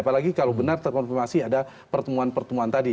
apalagi kalau benar terkonfirmasi ada pertemuan pertemuan tadi